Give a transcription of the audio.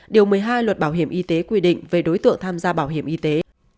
điều một mươi hai luật bảo hiểm y tế quy định về đối tượng tham gia bảo hiểm y tế